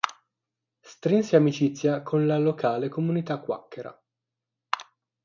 Strinse amicizia con la locale comunità quacchera.